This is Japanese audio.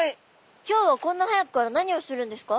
今日はこんな早くから何をするんですか？